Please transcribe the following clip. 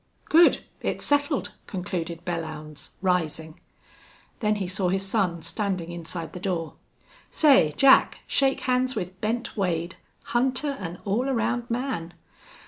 "Good, it's settled," concluded Belllounds, rising. Then he saw his son standing inside the door. "Say, Jack, shake hands with Bent Wade, hunter an' all around man.